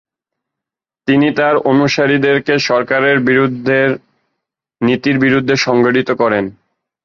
তিনি তার অনুসারীদেরকে সরকারের বিরুদ্ধের নীতির বিরুদ্ধে সংগঠিত করেন।